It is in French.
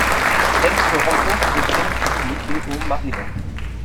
Elle se rencontre au Kentucky et au Maryland.